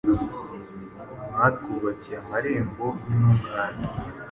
Mwatwubakiye amarembo y’intungane